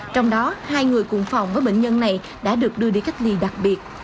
trong đó hai người cùng phòng với bệnh nhân này đã được đưa đi cách ly đặc biệt